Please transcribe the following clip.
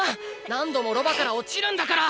何度もロバから落ちるんだから！